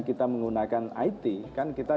kita menggunakan it kan kita